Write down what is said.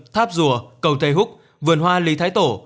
tháp rùa cầu thầy húc vườn hoa lý thái tổ